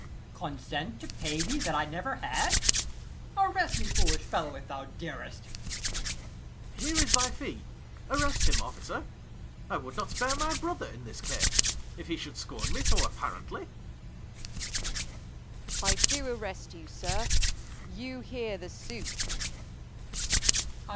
Ant. E. Consent to pay thee that I never had! Arrest me, foolish fellow, if thou darest. 75 Ang. Here is thy fee; arrest him, officer. I would not spare my brother in this case, If he should scorn me so apparently. Off. I do arrest you, sir: you hear the suit. _Ant. E.